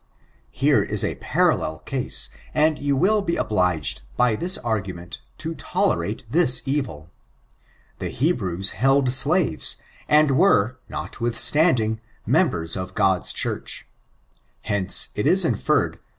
Here is a parallel case, and you will be obliged, by this argument, to tolerate this evil. The Hebrews held slaves, and were, notwithstanding, members of Grod*s Church; hence, it is inferred.